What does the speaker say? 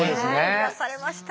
癒やされましたね。